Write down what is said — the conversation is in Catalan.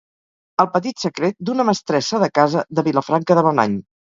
El petit secret d'una mestressa de casa de Vilafranca de Bonany